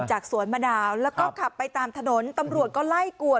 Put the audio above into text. สวนมะนาวแล้วก็ขับไปตามถนนตำรวจก็ไล่กวด